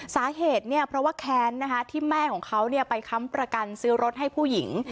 สาเหตุเนี่ยเพราะว่าแค้นที่แม่ของเขาไปค้ำประกันซื้อรถให้ผู้หญิง